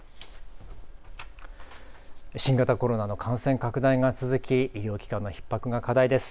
新型コロナの感染拡大が続き、医療機関のひっ迫が課題です。